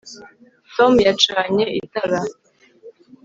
Tom yacanye itara